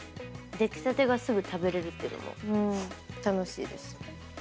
出来たてがすぐ食べれるっていうのも楽しいです。